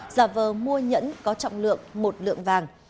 giả vờ mua nhẫn có trọng lượng một lượng vàng